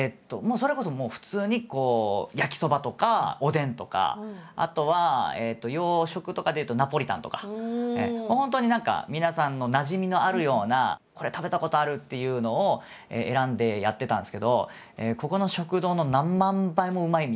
それこそもう普通に焼きそばとかおでんとかあとは洋食とかでいうとナポリタンとか本当に何か皆さんのなじみのあるようなこれ食べたことあるっていうのを選んでやってたんですけどここの食堂の何万倍もうまいみたいな。